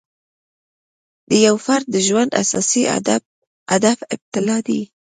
د یو فرد د ژوند اساسي هدف ابتلأ دی.